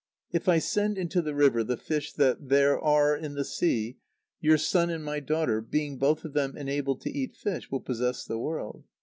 If I send into the river the fish that there are in the sea your son and my daughter, being both of them enabled to eat fish, will possess the world."